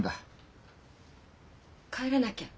帰らなきゃ。